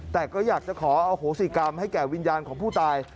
แต่ก็อยากจะขออโหสิกรรมให้แก่วิญญาณของผู้ตาย